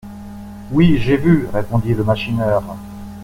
Oui, j'ai vu, répondit le machineur.